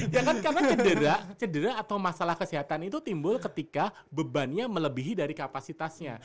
ya kan karena cedera atau masalah kesehatan itu timbul ketika bebannya melebihi dari kapasitasnya